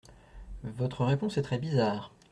Votre réponse est très bizarre.